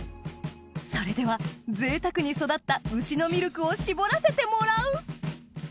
それではぜいたくに育った牛のミルクを搾らせてもらう！